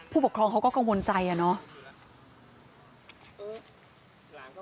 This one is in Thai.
ผู้ปกครองเขาก็กังวลใจอะเนาะ